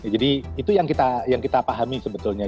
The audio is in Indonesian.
jadi itu yang kita pahami sebetulnya